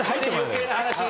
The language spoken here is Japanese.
余計な話。